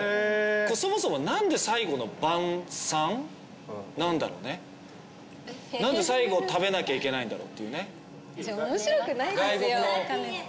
そもそも何で「最後の晩さん」なんだろうね何で最後食べなきゃいけないんだろうっていうね面白くないですよえっ？